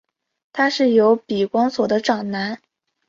他是由比光索的长男。